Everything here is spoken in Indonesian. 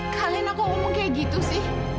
kalian aku ngomong kayak gitu sih